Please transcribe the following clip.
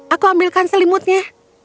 aku ambilkan selimutnya